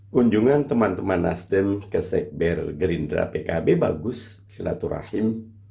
kunjungan teman teman nasdem ke sekber gerindra pkb bagus silaturahim